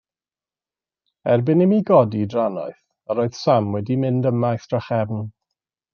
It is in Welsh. Erbyn i mi godi drannoeth, yr oedd Sam wedi mynd ymaith drachefn.